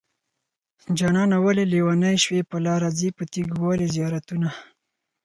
جانانه ولې لېونی شوې په لاره ځې په تيګو ولې زيارتونه